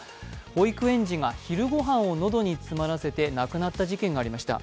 保育園児が昼ご飯を喉に詰まらせて亡くなった事件がありました。